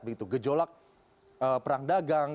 begitu gejolak perang dagang